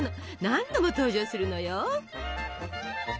何度も登場するのよ。